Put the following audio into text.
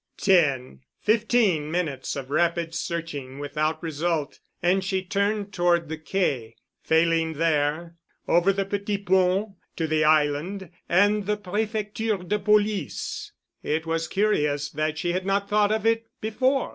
Ten—fifteen minutes of rapid searching without result and she turned toward the Quai and, failing there, over the Petit Pont to the Island and the Prefecture de Police. It was curious that she had not thought of it before.